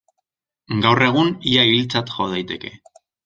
Gaur egun ia hiltzat jo daiteke.